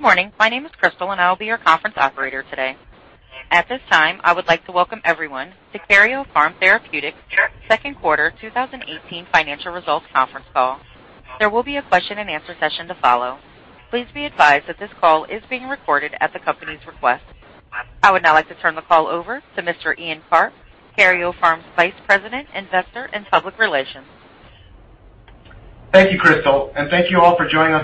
Good morning. My name is Crystal, and I will be your conference operator today. At this time, I would like to welcome everyone to Karyopharm Therapeutics' second quarter 2018 financial results conference call. There will be a question and answer session to follow. Please be advised that this call is being recorded at the company's request. I would now like to turn the call over to Mr. Ian Karp, Karyopharm's Vice President, Investor and Public Relations. Thank you, Crystal. Thank you all for joining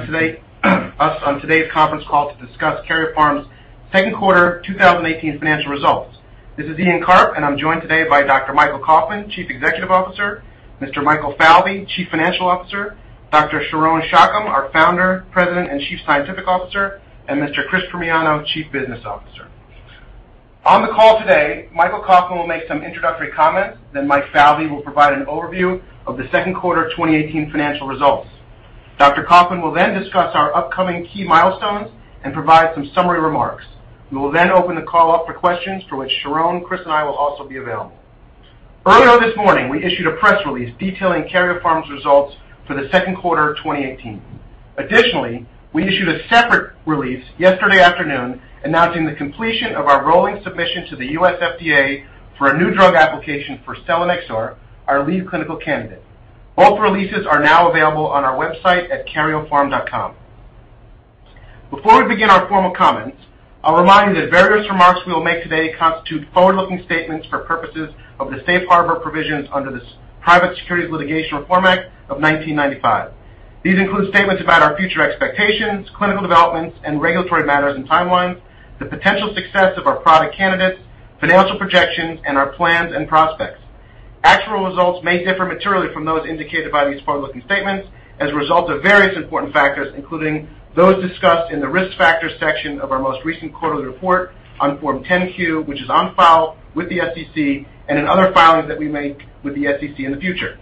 us on today's conference call to discuss Karyopharm's second quarter 2018 financial results. This is Ian Karp, and I am joined today by Dr. Michael Kauffman, Chief Executive Officer, Mr. Michael Falvey, Chief Financial Officer, Dr. Sharon Shacham, our Founder, President and Chief Scientific Officer, and Mr. Christopher Primiano, Chief Business Officer. On the call today, Michael Kauffman will make some introductory comments, then Mike Falvey will provide an overview of the second quarter 2018 financial results. Dr. Kauffman will then discuss our upcoming key milestones and provide some summary remarks. We will then open the call up for questions for which Sharon, Chris, and I will also be available. Earlier this morning, we issued a press release detailing Karyopharm's results for the second quarter of 2018. Additionally, we issued a separate release yesterday afternoon announcing the completion of our rolling submission to the U.S. FDA for a new drug application for selinexor, our lead clinical candidate. Both releases are now available on our website at karyopharm.com. Before we begin our formal comments, I'll remind you that various remarks we will make today constitute forward-looking statements for purposes of the Safe Harbor provisions under the Private Securities Litigation Reform Act of 1995. These include statements about our future expectations, clinical developments and regulatory matters and timelines, the potential success of our product candidates, financial projections, and our plans and prospects. Actual results may differ materially from those indicated by these forward-looking statements as a result of various important factors, including those discussed in the Risk Factors section of our most recent quarterly report on Form 10-Q, which is on file with the SEC and in other filings that we make with the SEC in the future.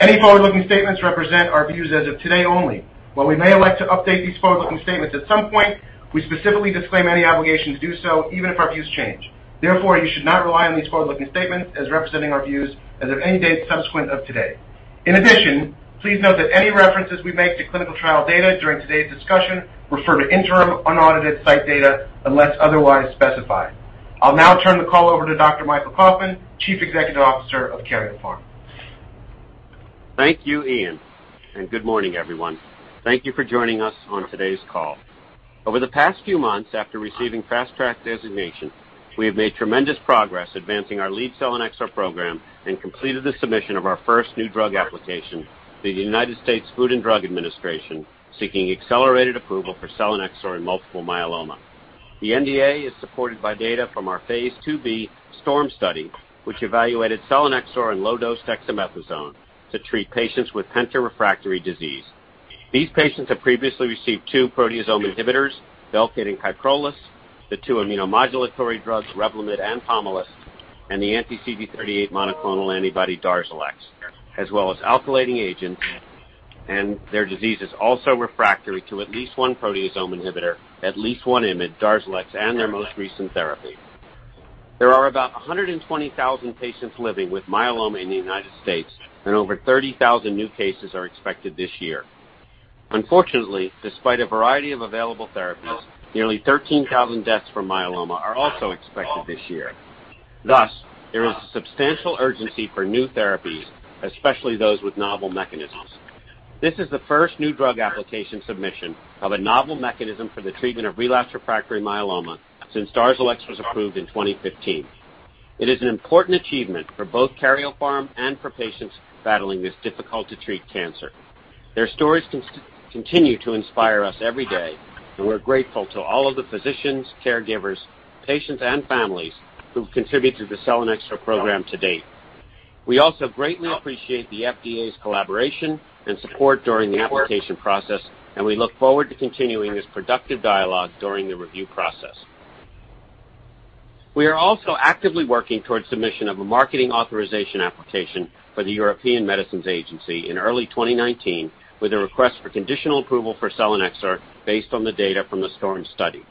Any forward-looking statements represent our views as of today only. While we may elect to update these forward-looking statements at some point, we specifically disclaim any obligation to do so even if our views change. Therefore, you should not rely on these forward-looking statements as representing our views as of any date subsequent of today. In addition, please note that any references we make to clinical trial data during today's discussion refer to interim, unaudited site data unless otherwise specified. I'll now turn the call over to Dr. Michael Kauffman, Chief Executive Officer of Karyopharm. Thank you, Ian, and good morning, everyone. Thank you for joining us on today's call. Over the past few months after receiving Fast Track designation, we have made tremendous progress advancing our lead selinexor program and completed the submission of our first new drug application to the U.S. Food and Drug Administration, seeking accelerated approval for selinexor in multiple myeloma. The NDA is supported by data from our phase II-B STORM study, which evaluated selinexor and low-dose dexamethasone to treat patients with penta-refractory disease. These patients have previously received two proteasome inhibitors, Velcade and KYPROLIS, the two immunomodulatory drugs, REVLIMID and POMALYST, and the anti-CD38 monoclonal antibody DARZALEX, as well as alkylating agents, and their disease is also refractory to at least one proteasome inhibitor, at least one IMiD, DARZALEX, and their most recent therapy. There are about 120,000 patients living with myeloma in the U.S., and over 30,000 new cases are expected this year. Unfortunately, despite a variety of available therapies, nearly 13,000 deaths from myeloma are also expected this year. Thus, there is substantial urgency for new therapies, especially those with novel mechanisms. This is the first new drug application submission of a novel mechanism for the treatment of relapsed refractory myeloma since DARZALEX was approved in 2015. It is an important achievement for both Karyopharm and for patients battling this difficult-to-treat cancer. Their stories continue to inspire us every day, and we're grateful to all of the physicians, caregivers, patients, and families who've contributed to the selinexor program to date. We also greatly appreciate the FDA's collaboration and support during the application process, and we look forward to continuing this productive dialogue during the review process. We are also actively working towards submission of a Marketing Authorisation Application for the European Medicines Agency in early 2019 with a request for conditional approval for selinexor based on the data from the STORM study.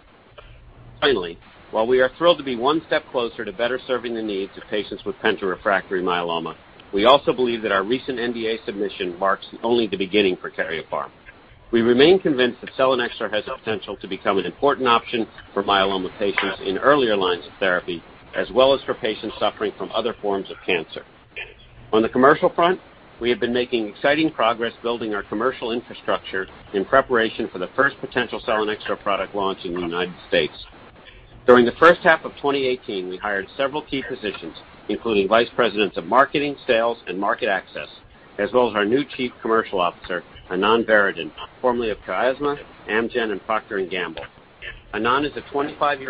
Finally, while we are thrilled to be one step closer to better serving the needs of patients with penta-refractory myeloma, we also believe that our recent NDA submission marks only the beginning for Karyopharm. We remain convinced that selinexor has the potential to become an important option for myeloma patients in earlier lines of therapy, as well as for patients suffering from other forms of cancer. On the commercial front, we have been making exciting progress building our commercial infrastructure in preparation for the first potential selinexor product launch in the U.S.. During the first half of 2018, we hired several key positions, including vice presidents of marketing, sales, and market access, as well as our new Chief Commercial Officer, Anand Varadan, formerly of Chiasma, Inc., Amgen, and Procter & Gamble. Anand is a 25-year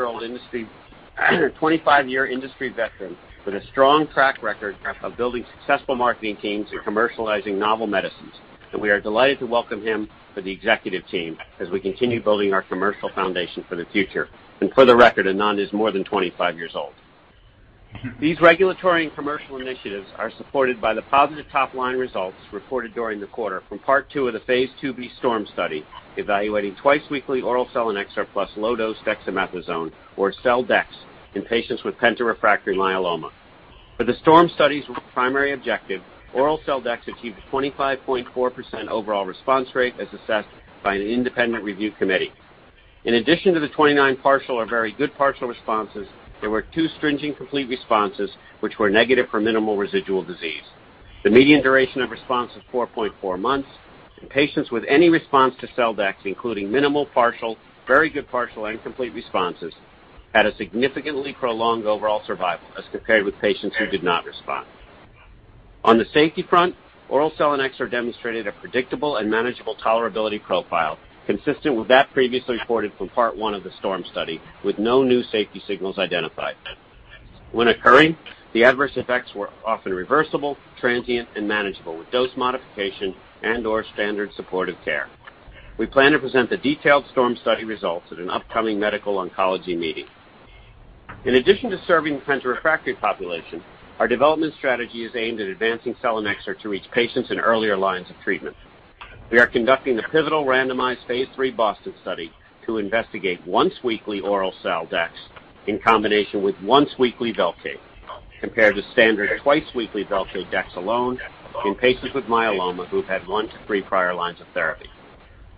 industry veteran with a strong track record of building successful marketing teams and commercializing novel medicines. We are delighted to welcome him to the executive team as we continue building our commercial foundation for the future. For the record, Anand is more than 25 years old. These regulatory and commercial initiatives are supported by the positive top-line results reported during the quarter from Part 2 of the phase II-B STORM study, evaluating twice-weekly oral selinexor plus low-dose dexamethasone, or sel/dex, in patients with penta-refractory myeloma. For the STORM study's primary objective, oral sel/dex achieved a 25.4% overall response rate as assessed by an independent review committee. In addition to the 29 partial or very good partial responses, there were two stringent complete responses which were negative for minimal residual disease. The median duration of response is 4.4 months. Patients with any response to sel/dex, including minimal partial, very good partial, and complete responses, had a significantly prolonged overall survival as compared with patients who did not respond. On the safety front, oral selinexor demonstrated a predictable and manageable tolerability profile consistent with that previously reported from part one of the STORM study, with no new safety signals identified. When occurring, the adverse effects were often reversible, transient, and manageable with dose modification and/or standard supportive care. We plan to present the detailed STORM study results at an upcoming medical oncology meeting. In addition to serving the refractory population, our development strategy is aimed at advancing selinexor to reach patients in earlier lines of treatment. We are conducting the pivotal randomized phase III BOSTON study to investigate once-weekly oral sel/dex in combination with once-weekly Velcade, compared to standard twice-weekly Velcade dex alone in patients with myeloma who've had one to three prior lines of therapy.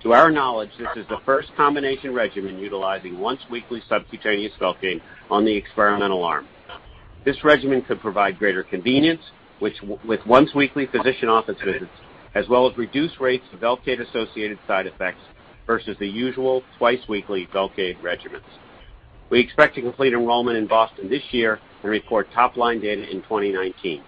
To our knowledge, this is the first combination regimen utilizing once-weekly subcutaneous Velcade on the experimental arm. This regimen could provide greater convenience with once-weekly physician office visits, as well as reduced rates of Velcade associated side effects versus the usual twice-weekly Velcade regimens. We expect to complete enrollment in BOSTON this year and report top-line data in 2019.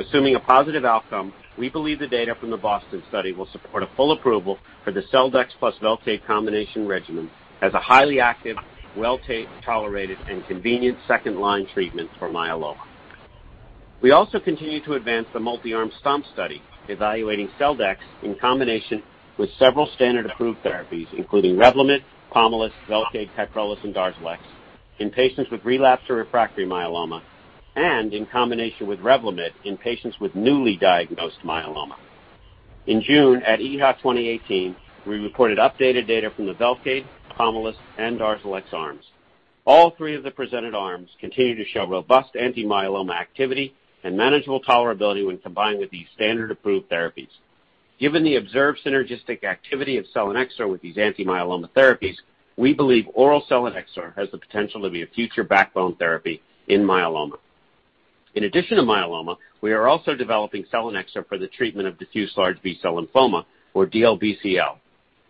Assuming a positive outcome, we believe the data from the BOSTON study will support a full approval for the sel/dex plus Velcade combination regimen as a highly active, well-tolerated, and convenient second-line treatment for myeloma. We also continue to advance the multi-arm STOMP study, evaluating sel/dex in combination with several standard approved therapies, including REVLIMID, POMALYST, Velcade, KYPROLIS, and DARZALEX in patients with relapsed or refractory myeloma, and in combination with REVLIMID in patients with newly diagnosed myeloma. In June at EHA 2018, we reported updated data from the Velcade, POMALYST, and DARZALEX arms. All three of the presented arms continue to show robust anti-myeloma activity and manageable tolerability when combined with these standard approved therapies. Given the observed synergistic activity of selinexor with these anti-myeloma therapies, we believe oral selinexor has the potential to be a future backbone therapy in myeloma. In addition to myeloma, we are also developing selinexor for the treatment of diffuse large B-cell lymphoma or DLBCL.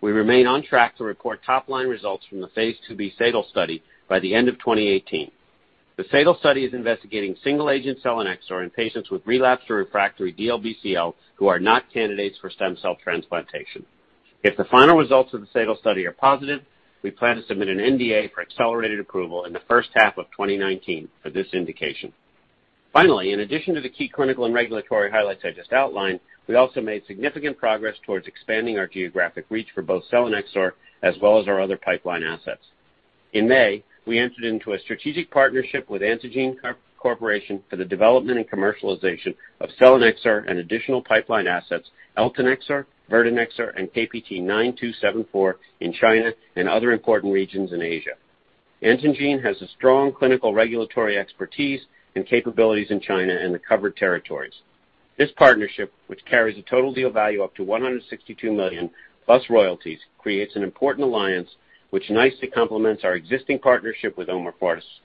We remain on track to report top-line results from the phase II-B SADAL study by the end of 2018. The SADAL study is investigating single-agent selinexor in patients with relapsed or refractory DLBCL who are not candidates for stem cell transplantation. If the final results of the SADAL study are positive, we plan to submit an NDA for accelerated approval in the first half of 2019 for this indication. In addition to the key clinical and regulatory highlights I just outlined, we also made significant progress towards expanding our geographic reach for both selinexor as well as our other pipeline assets. In May, we entered into a strategic partnership with Antengene Corporation for the development and commercialization of selinexor and additional pipeline assets, eltanexor, verdinexor, and KPT-9274 in China and other important regions in Asia. Antengene has a strong clinical regulatory expertise and capabilities in China and the covered territories. This partnership, which carries a total deal value up to $162 million plus royalties, creates an important alliance, which nicely complements our existing partnership with Ono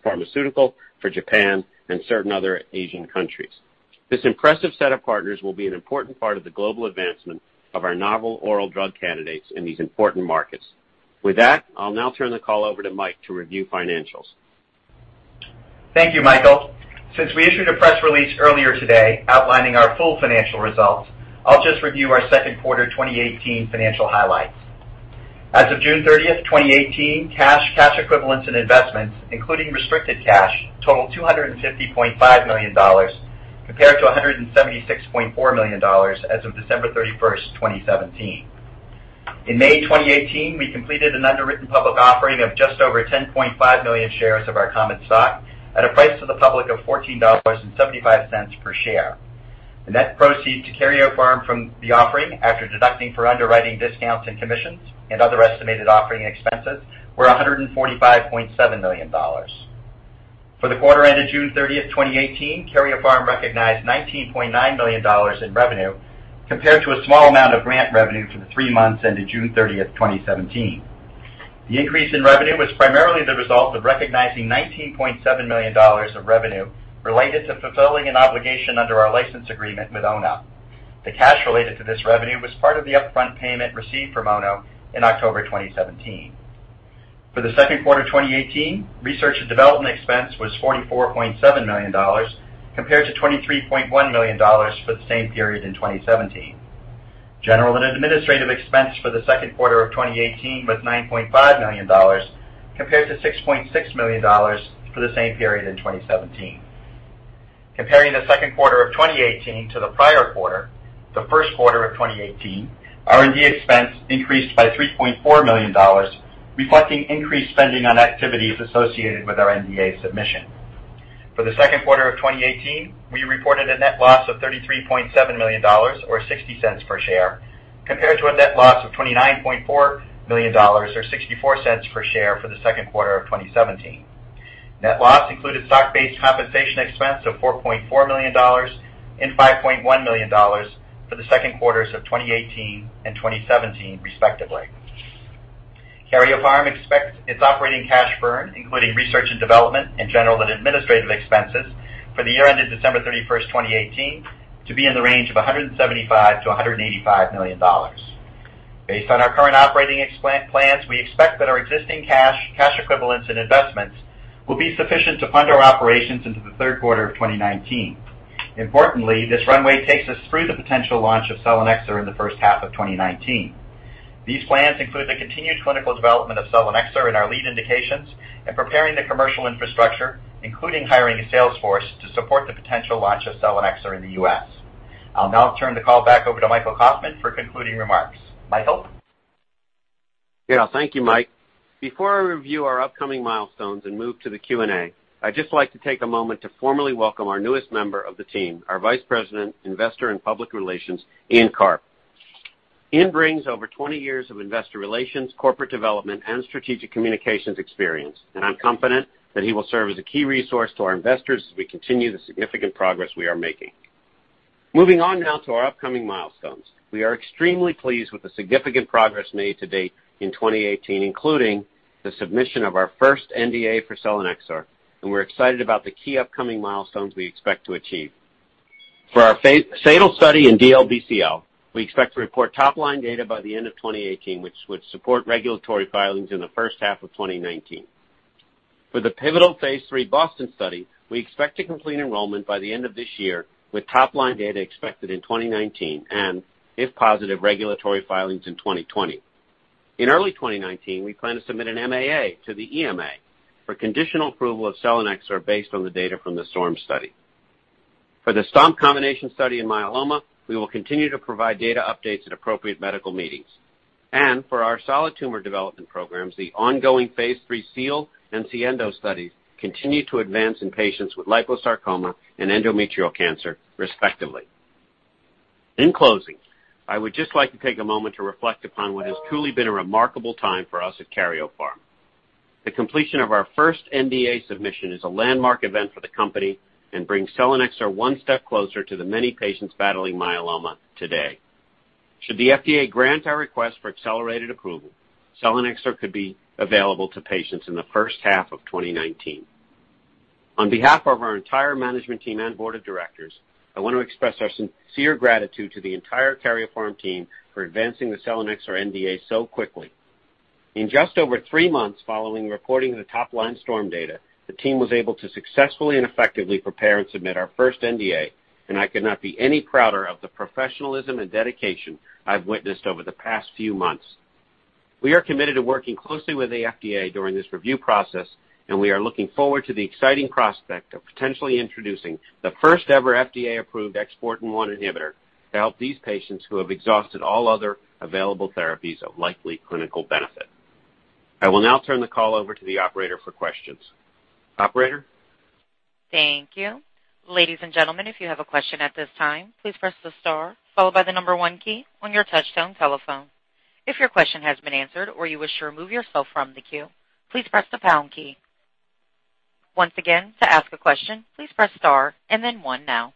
Pharmaceutical for Japan and certain other Asian countries. This impressive set of partners will be an important part of the global advancement of our novel oral drug candidates in these important markets. With that, I'll now turn the call over to Mike to review financials. Thank you, Michael. Since we issued a press release earlier today outlining our full financial results, I'll just review our second quarter 2018 financial highlights. As of June 30th, 2018, cash equivalents, and investments, including restricted cash, totaled $250.5 million compared to $176.4 million as of December 31st, 2017. In May 2018, we completed an underwritten public offering of just over 10.5 million shares of our common stock at a price to the public of $14.75 per share. The net proceeds to Karyopharm from the offering, after deducting for underwriting discounts and commissions and other estimated offering expenses, were $145.7 million. For the quarter ended June 30th, 2018, Karyopharm recognized $19.9 million in revenue, compared to a small amount of grant revenue for the three months ended June 30th, 2017. The increase in revenue was primarily the result of recognizing $19.7 million of revenue related to fulfilling an obligation under our license agreement with Ono. The cash related to this revenue was part of the upfront payment received from Ono in October 2017. For the second quarter of 2018, research and development expense was $44.7 million, compared to $23.1 million for the same period in 2017. General and administrative expense for the second quarter of 2018 was $9.5 million, compared to $6.6 million for the same period in 2017. Comparing the second quarter of 2018 to the prior quarter, the first quarter of 2018, R&D expense increased by $3.4 million, reflecting increased spending on activities associated with our NDA submission. For the second quarter of 2018, we reported a net loss of $33.7 million, or $0.60 per share compared to a net loss of $29.4 million, or $0.64 per share for the second quarter of 2017. Net loss included stock-based compensation expense of $4.4 million and $5.1 million for the second quarters of 2018 and 2017, respectively. Karyopharm expects its operating cash burn, including research and development and general and administrative expenses for the year ended December 31st, 2018, to be in the range of $175 million to $185 million. Based on our current operating plans, we expect that our existing cash equivalents, and investments will be sufficient to fund our operations into the third quarter of 2019. Importantly, this runway takes us through the potential launch of Selinexor in the first half of 2019. These plans include the continued clinical development of Selinexor in our lead indications and preparing the commercial infrastructure, including hiring a sales force to support the potential launch of Selinexor in the U.S. I'll now turn the call back over to Michael Kauffman for concluding remarks. Michael? Yeah. Thank you, Mike. Before I review our upcoming milestones and move to the Q&A, I'd just like to take a moment to formally welcome our newest member of the team, our Vice President, Investor and Public Relations, Ian Karp. Ian brings over 20 years of investor relations, corporate development, and strategic communications experience, and I'm confident that he will serve as a key resource to our investors as we continue the significant progress we are making. Moving on now to our upcoming milestones. We are extremely pleased with the significant progress made to date in 2018, including the submission of our first NDA for Selinexor, and we're excited about the key upcoming milestones we expect to achieve. For our SADAL study in DLBCL, we expect to report top-line data by the end of 2018, which would support regulatory filings in the first half of 2019. For the pivotal phase III BOSTON study, we expect to complete enrollment by the end of this year, with top-line data expected in 2019 and, if positive, regulatory filings in 2020. In early 2019, we plan to submit an MAA to the EMA for conditional approval of Selinexor, based on the data from the STORM study. For the STOMP combination study in myeloma, we will continue to provide data updates at appropriate medical meetings. For our solid tumor development programs, the ongoing phase III SEAL and SIENDO studies continue to advance in patients with liposarcoma and endometrial cancer, respectively. In closing, I would just like to take a moment to reflect upon what has truly been a remarkable time for us at Karyopharm. The completion of our first NDA submission is a landmark event for the company and brings selinexor one step closer to the many patients battling myeloma today. Should the FDA grant our request for accelerated approval, selinexor could be available to patients in the first half of 2019. On behalf of our entire management team and board of directors, I want to express our sincere gratitude to the entire Karyopharm team for advancing the selinexor NDA so quickly. In just over three months following reporting the top-line STORM data, the team was able to successfully and effectively prepare and submit our first NDA, I could not be any prouder of the professionalism and dedication I've witnessed over the past few months. We are committed to working closely with the FDA during this review process, we are looking forward to the exciting prospect of potentially introducing the first ever FDA-approved XPO1 inhibitor to help these patients who have exhausted all other available therapies of likely clinical benefit. I will now turn the call over to the operator for questions. Operator? Thank you. Ladies and gentlemen, if you have a question at this time, please press the star followed by the number 1 key on your touchtone telephone. If your question has been answered or you wish to remove yourself from the queue, please press the pound key. Once again, to ask a question, please press star and then 1 now.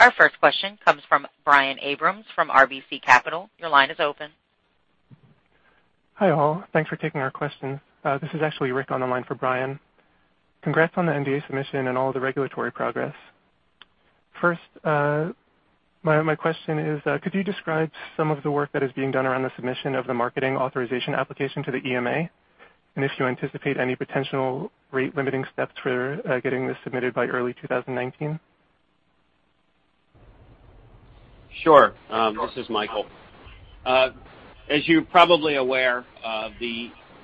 Our first question comes from Brian Abrahams from RBC Capital. Your line is open. Hi, all. Thanks for taking our question. This is actually Rick on the line for Brian. Congrats on the NDA submission and all the regulatory progress. First, my question is could you describe some of the work that is being done around the submission of the Marketing Authorisation Application to the EMA? If you anticipate any potential rate-limiting steps for getting this submitted by early 2019? Sure. This is Michael. As you're probably aware of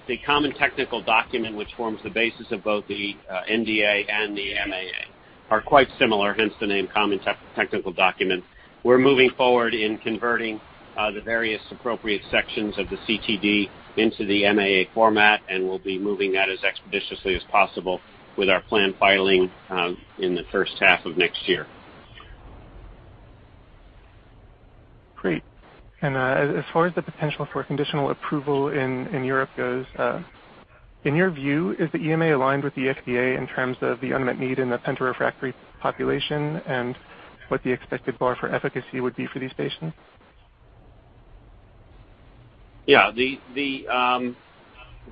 the Common Technical Document which forms the basis of both the NDA and the MAA are quite similar, hence the name Common Technical Document. We're moving forward in converting the various appropriate sections of the CTD into the MAA format, we'll be moving that as expeditiously as possible with our planned filing in the first half of next year. Great. As far as the potential for conditional approval in Europe goes, in your view, is the EMA aligned with the FDA in terms of the unmet need in the penta-refractory population and what the expected bar for efficacy would be for these patients? Yeah.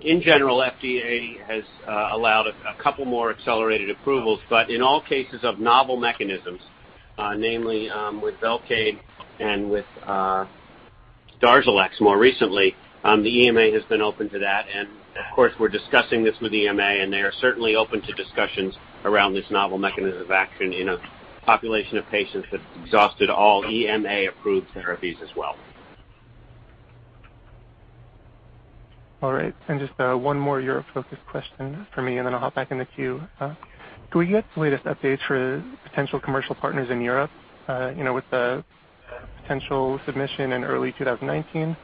In general, FDA has allowed a couple more accelerated approvals, but in all cases of novel mechanisms, namely with Velcade and with DARZALEX more recently, the EMA has been open to that. Of course, we're discussing this with EMA, and they are certainly open to discussions around this novel mechanism of action in a population of patients that's exhausted all EMA-approved therapies as well. All right. Just one more Europe-focused question from me, then I'll hop back in the queue. Could we get the latest update for potential commercial partners in Europe? With the potential submission in early 2019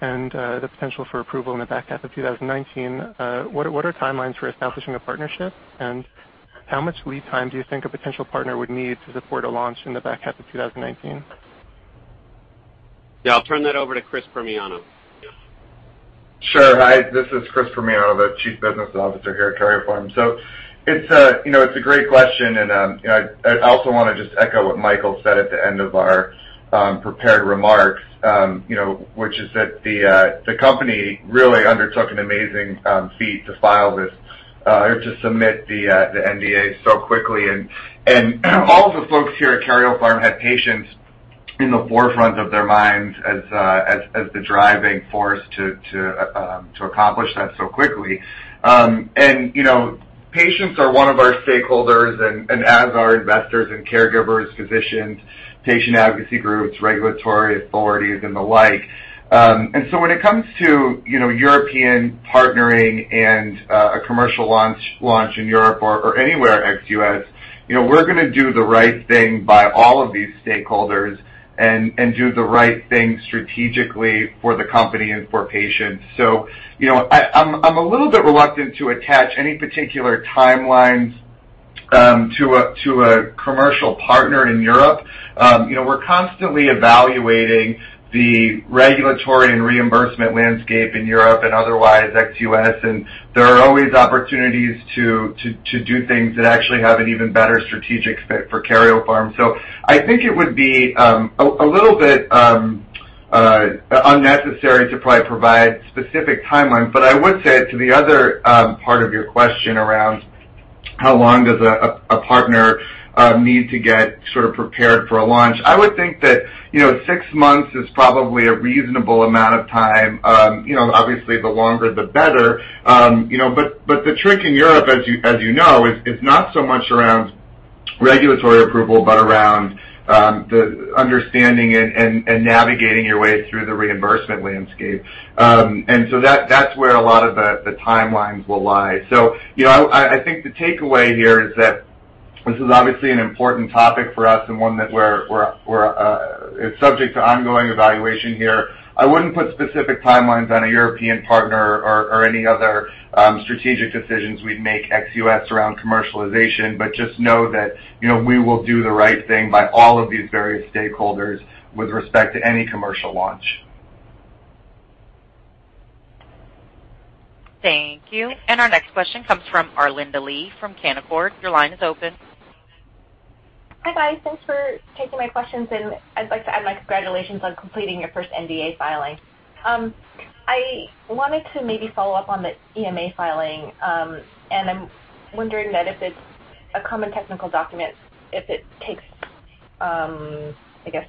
and the potential for approval in the back half of 2019, what are timelines for establishing a partnership? How much lead time do you think a potential partner would need to support a launch in the back half of 2019? Yeah. I'll turn that over to Christopher Primiano. Yeah. Sure. Hi, this is Christopher Primiano, the chief business officer here at Karyopharm. It's a great question, and I also want to just echo what Michael said at the end of our prepared remarks, which is that the company really undertook an amazing feat to submit the NDA so quickly. All of the folks here at Karyopharm had patients in the forefront of their minds as the driving force to accomplish that so quickly. Patients are one of our stakeholders, and as are investors and caregivers, physicians, patient advocacy groups, regulatory authorities, and the like. When it comes to European partnering and a commercial launch in Europe or anywhere ex-U.S., we're going to do the right thing by all of these stakeholders and do the right thing strategically for the company and for patients. I'm a little bit reluctant to attach any particular timelines to a commercial partner in Europe. We're constantly evaluating the regulatory and reimbursement landscape in Europe and otherwise ex-U.S., and there are always opportunities to do things that actually have an even better strategic fit for Karyopharm. I think it would be a little bit unnecessary to probably provide specific timelines. I would say to the other part of your question around how long does a partner need to get sort of prepared for a launch, I would think that six months is probably a reasonable amount of time. Obviously, the longer the better. The trick in Europe, as you know, is not so much around regulatory approval, but around the understanding and navigating your way through the reimbursement landscape. That's where a lot of the timelines will lie. I think the takeaway here is that this is obviously an important topic for us and one that is subject to ongoing evaluation here. I wouldn't put specific timelines on a European partner or any other strategic decisions we'd make ex-U.S. around commercialization. Just know that we will do the right thing by all of these various stakeholders with respect to any commercial launch. Thank you. Our next question comes from Arlinda Lee from Canaccord Genuity. Your line is open. Hi, guys. Thanks for taking my questions. I'd like to add my congratulations on completing your first NDA filing. I wanted to maybe follow up on the EMA filing. I'm wondering that if it's a Common Technical Document, if it takes, I guess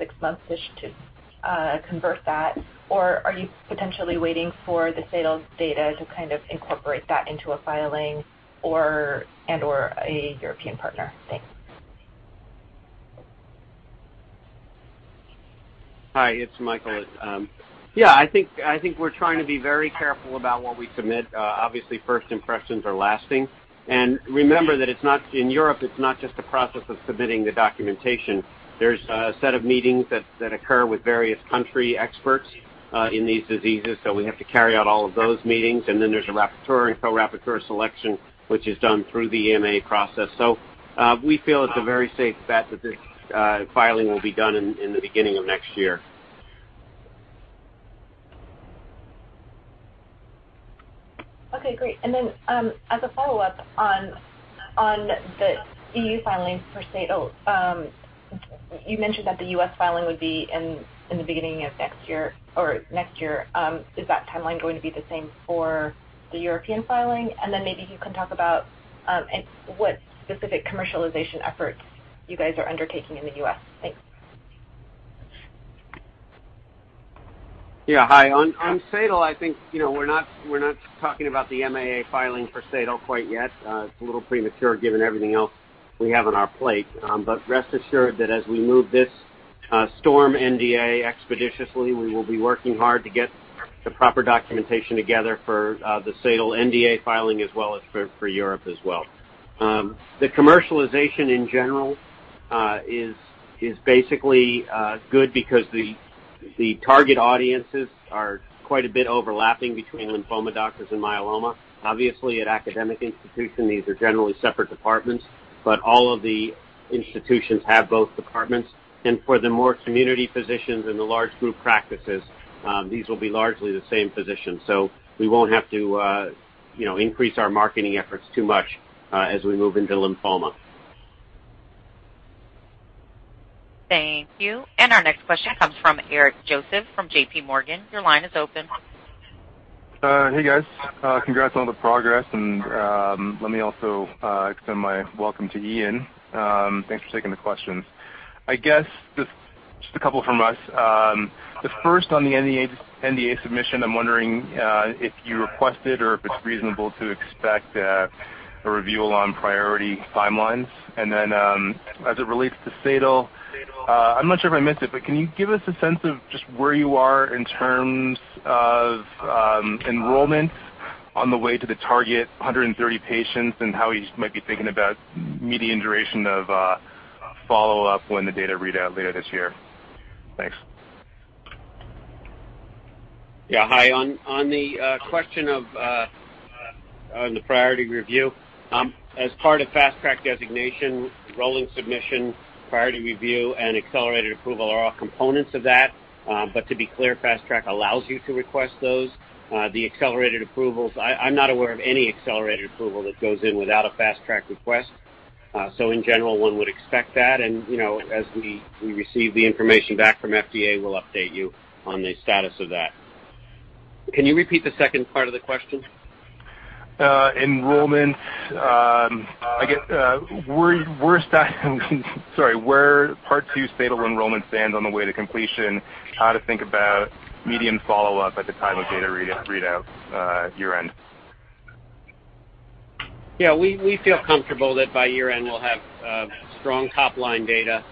6 months-ish to convert that, or are you potentially waiting for the STORM data to kind of incorporate that into a filing and/or a European partner? Thanks. Hi, it's Michael. I think we're trying to be very careful about what we submit. Obviously, first impressions are lasting, and remember that in Europe, it's not just a process of submitting the documentation. There's a set of meetings that occur with various country experts in these diseases. We have to carry out all of those meetings, and then there's a rapporteur and co-rapporteur selection, which is done through the EMA process. We feel it's a very safe bet that this filing will be done in the beginning of next year. Okay, great. As a follow-up on the EU filing for STORM, you mentioned that the U.S. filing would be in the beginning of next year or next year. Is that timeline going to be the same for the European filing? Maybe you can talk about what specific commercialization efforts you guys are undertaking in the U.S. Thanks. Hi. On SADAL, I think we're not talking about the MAA filing for SADAL quite yet. It's a little premature given everything else we have on our plate. Rest assured that as we move this STORM NDA expeditiously, we will be working hard to get the proper documentation together for the SADAL NDA filing as well as for Europe as well. The commercialization, in general, is basically good because the target audiences are quite a bit overlapping between lymphoma doctors and myeloma. Obviously, at academic institutions, these are generally separate departments, but all of the institutions have both departments. For the more community physicians and the large group practices, these will be largely the same physicians. We won't have to increase our marketing efforts too much as we move into lymphoma. Thank you. Our next question comes from Eric Joseph from JPMorgan. Your line is open. Hey, guys. Congrats on the progress. Let me also extend my welcome to Ian. Thanks for taking the questions. I guess just a couple from us. The first on the NDA submission, I'm wondering if you requested or if it's reasonable to expect a review on priority timelines. As it relates to SADAL, I'm not sure if I missed it, but can you give us a sense of just where you are in terms of enrollment on the way to the target 130 patients and how you might be thinking about median duration of follow-up when the data read out later this year? Thanks. Hi. On the question of the priority review, as part of Fast Track designation, rolling submission, priority review, and accelerated approval are all components of that. To be clear, Fast Track allows you to request those. The accelerated approvals, I'm not aware of any accelerated approval that goes in without a Fast Track request. In general, one would expect that and as we receive the information back from FDA, we'll update you on the status of that. Can you repeat the second part of the question? Enrollment. Where part 2 stable enrollment stands on the way to completion, how to think about median follow-up at the time of data readout year-end? Yeah. We feel comfortable that by year-end, we'll have strong top-line data,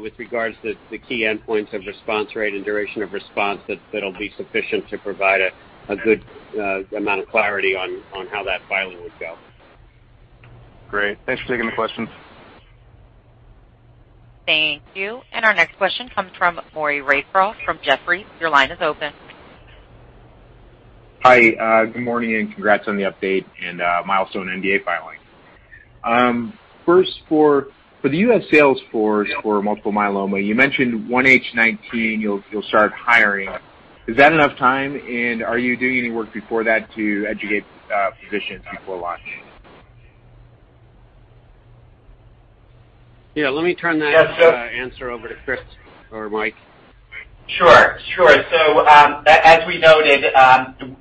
with regards to the key endpoints of response rate and duration of response that'll be sufficient to provide a good amount of clarity on how that filing would go. Great. Thanks for taking the question. Thank you. Our next question comes from Maury Raycroft from Jefferies. Your line is open. Hi. Good morning, congrats on the update and milestone NDA filing. First, for the U.S. sales force for multiple myeloma, you mentioned 1H 2019 you'll start hiring. Is that enough time, are you doing any work before that to educate physicians before launch? Let me turn that answer over to Chris or Mike. Sure. As we noted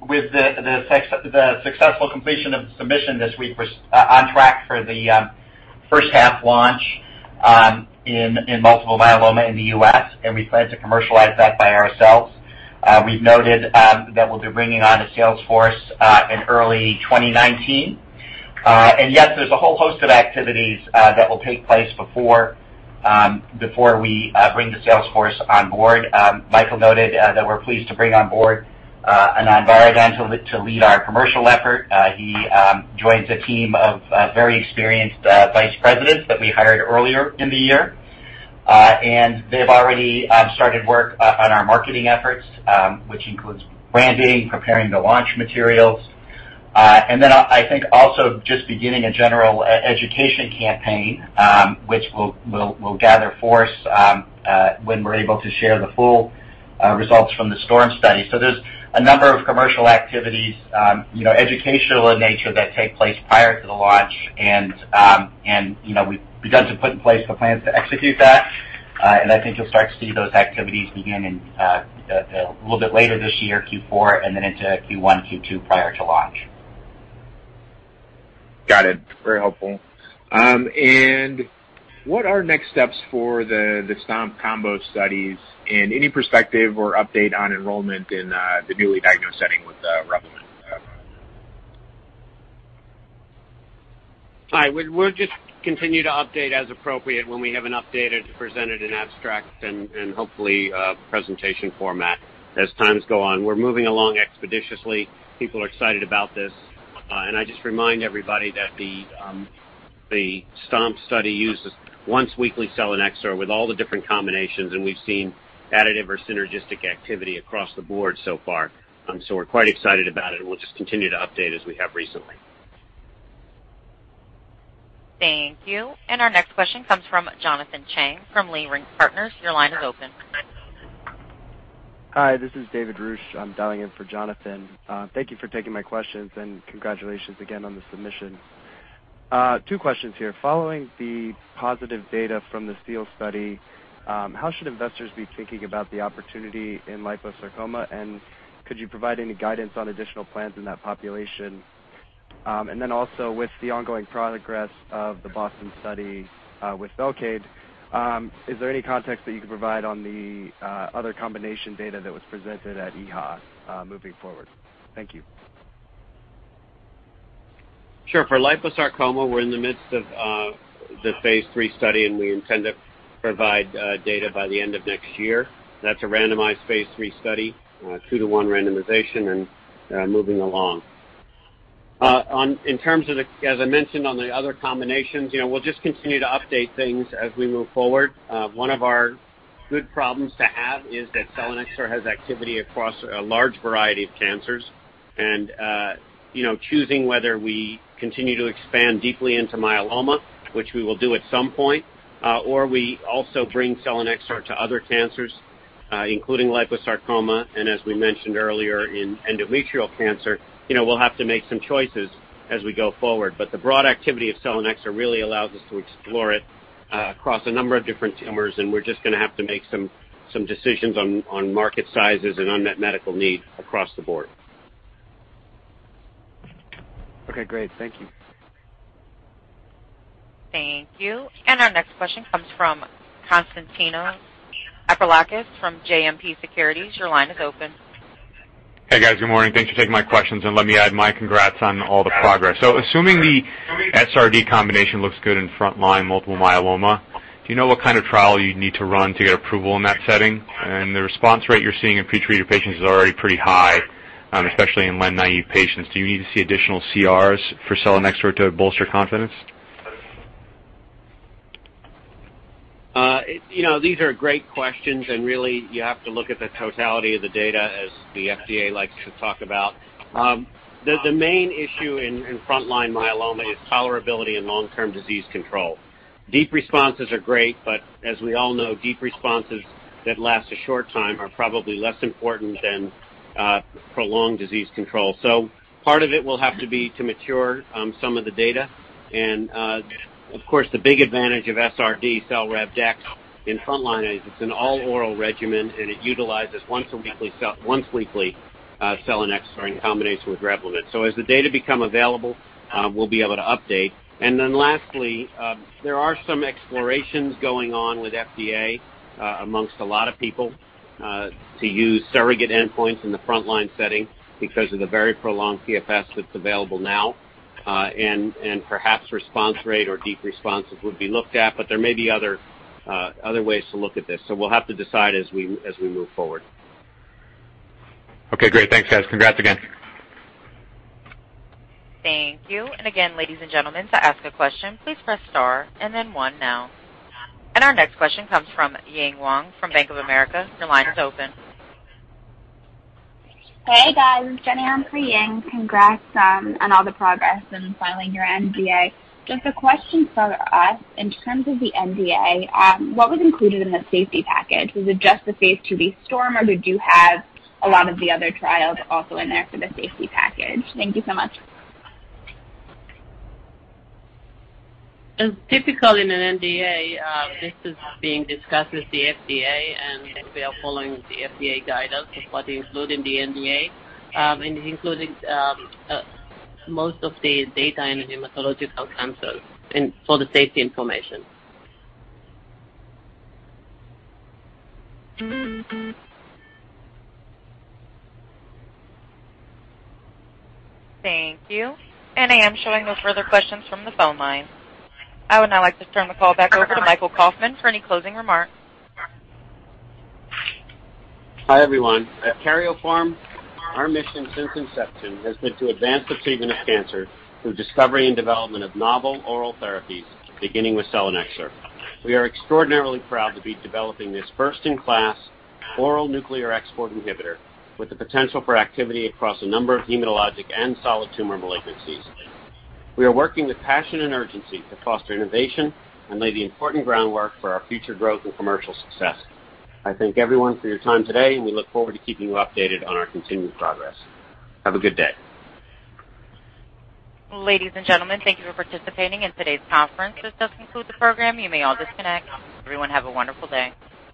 with the successful completion of submission this week, we're on track for the first half launch in multiple myeloma in the U.S., we plan to commercialize that by ourselves. We've noted that we'll be bringing on a sales force in early 2019. Yes, there's a whole host of activities that will take place before we bring the sales force on board. Michael noted that we're pleased to bring on board Anand Varadan to lead our commercial effort. He joins a team of very experienced Vice Presidents that we hired earlier in the year. They've already started work on our marketing efforts, which includes branding, preparing the launch materials. I think also just beginning a general education campaign, which will gather force when we're able to share the full results from the STORM study. There's a number of commercial activities, educational in nature that take place prior to the launch, we've begun to put in place the plans to execute that. I think you'll start to see those activities begin a little bit later this year, Q4, into Q1, Q2, prior to launch. Got it. Very helpful. What are next steps for the STOMP combo studies, and any perspective or update on enrollment in the newly diagnosed setting with REVLIMID? Hi, we'll just continue to update as appropriate when we have an update presented in abstract and hopefully a presentation format as times go on. We're moving along expeditiously. People are excited about this. I just remind everybody that the STOMP study uses once-weekly selinexor with all the different combinations, and we've seen additive or synergistic activity across the board so far. We're quite excited about it, and we'll just continue to update as we have recently. Thank you. Our next question comes from Jonathan Chang from Leerink Partners. Your line is open. Hi, this is David Ruch. I'm dialing in for Jonathan. Thank you for taking my questions, and congratulations again on the submission. Two questions here. Following the positive data from the SEAL study, how should investors be thinking about the opportunity in liposarcoma, and could you provide any guidance on additional plans in that population? Then also, with the ongoing progress of the BOSTON study with Velcade, is there any context that you can provide on the other combination data that was presented at EHA moving forward? Thank you. Sure. For liposarcoma, we're in the midst of the phase III study, and we intend to provide data by the end of next year. That's a randomized phase III study, two to one randomization and moving along. As I mentioned, on the other combinations, we'll just continue to update things as we move forward. One of our good problems to have is that selinexor has activity across a large variety of cancers, and choosing whether we continue to expand deeply into myeloma, which we will do at some point, or we also bring selinexor to other cancers, including liposarcoma, and as we mentioned earlier, in endometrial cancer. We'll have to make some choices as we go forward. The broad activity of selinexor really allows us to explore it across a number of different tumors, and we're just going to have to make some decisions on market sizes and unmet medical need across the board. Okay, great. Thank you. Thank you. Our next question comes from Konstantinos Angelakis from JMP Securities. Your line is open. Hey, guys. Good morning. Thanks for taking my questions, and let me add my congrats on all the progress. Assuming the SRD combination looks good in frontline multiple myeloma, do you know what kind of trial you'd need to run to get approval in that setting? The response rate you're seeing in pre-treated patients is already pretty high, especially in lenalidomide-naive patients. Do you need to see additional CRs for selinexor to bolster confidence? These are great questions, really, you have to look at the totality of the data as the FDA likes to talk about. The main issue in frontline myeloma is tolerability and long-term disease control. Deep responses are great, as we all know, deep responses that last a short time are probably less important than prolonged disease control. Part of it will have to be to mature some of the data. Of course, the big advantage of SRD, Sel-Rev-Dex, in frontline is it's an all-oral regimen, it utilizes once-weekly selinexor in combination with REVLIMID. As the data become available, we'll be able to update. Lastly, there are some explorations going on with FDA amongst a lot of people to use surrogate endpoints in the frontline setting because of the very prolonged PFS that's available now, perhaps response rate or deep responses would be looked at. There may be other ways to look at this, we'll have to decide as we move forward. Okay, great. Thanks, guys. Congrats again. Thank you. Again, ladies and gentlemen, to ask a question, please press star and then one now. Our next question comes from Ying Wang from Bank of America. Your line is open. Hey, guys. Ying Wang. Congrats on all the progress in filing your NDA. A question for us in terms of the NDA. What was included in the safety package? Was it just the phase IIb STORM, do you have a lot of the other trials also in there for the safety package? Thank you so much. As typical in an NDA, this is being discussed with the FDA, we are following the FDA guidance of what to include in the NDA, it includes most of the data in the hematological cancers for the safety information. Thank you. I am showing no further questions from the phone line. I would now like to turn the call back over to Michael Kauffman for any closing remarks. Hi, everyone. At Karyopharm, our mission since inception has been to advance the treatment of cancer through discovery and development of novel oral therapies, beginning with Selinexor. We are extraordinarily proud to be developing this first-in-class oral nuclear export inhibitor with the potential for activity across a number of hematologic and solid tumor malignancies. We are working with passion and urgency to foster innovation and lay the important groundwork for our future growth and commercial success. I thank everyone for your time today, and we look forward to keeping you updated on our continued progress. Have a good day. Ladies and gentlemen, thank you for participating in today's conference. This does conclude the program. You may all disconnect. Everyone, have a wonderful day.